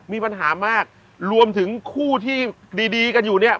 มีปัญหามากรวมถึงคู่ที่ดีดีกันอยู่เนี่ย